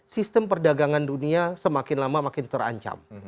sistem perdagangan dunia semakin lama makin terancam